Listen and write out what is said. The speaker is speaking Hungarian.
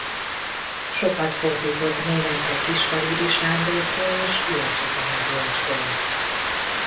Sokat fordított németre Kisfaludy Sándortól és Jósika Miklóstól.